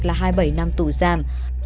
là hai mươi bảy năm tù giam